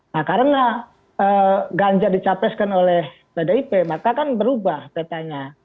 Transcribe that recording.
nah karena ganjar dicapreskan oleh pdip maka kan berubah petanya